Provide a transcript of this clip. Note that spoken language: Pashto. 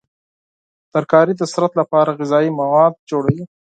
ترکاري د بدن لپاره غذایي مواد برابروي.